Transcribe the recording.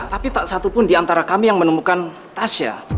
tapi tak satupun di antara kami yang menemukan tasya